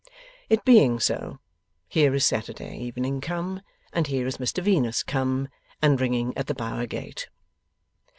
It being so, here is Saturday evening come, and here is Mr Venus come, and ringing at the Bower gate.